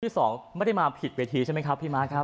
สองไม่ได้มาผิดเวทีใช่ไหมครับพี่ม้าครับ